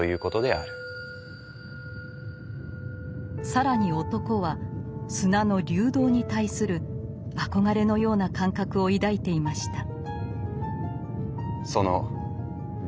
更に男は砂の「流動」に対する憧れのような感覚を抱いていました。